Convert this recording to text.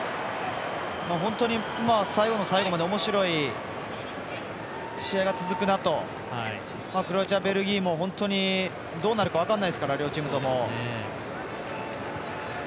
本当に最後の最後までおもしろい試合が続くなとクロアチア、ベルギーも本当にどうなるか分からないですから両チームとも。